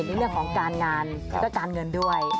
ในเรื่องของการงานแล้วก็การเงินด้วย